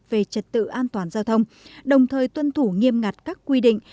về trật tự an toàn giao thông đồng thời tuân thủ nghiêm ngặt các quy định